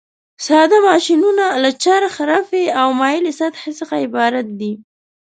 ساده ماشینونه له څرخ، رافعې او مایلې سطحې څخه عبارت دي.